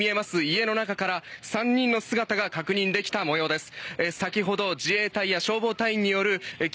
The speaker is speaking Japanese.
家の中から３人の姿が確認できたもようです。